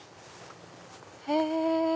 へぇ。